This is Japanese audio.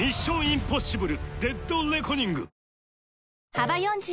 幅４０